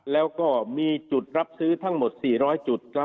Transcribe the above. แล้วก็มีจุดรับซื้อทั้งหมด๔๐๐จุด